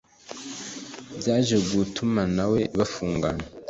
Byaje gutuma nawe bafungwana